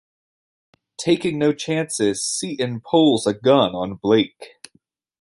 Taking no chances, Seton pulls a gun on Blake.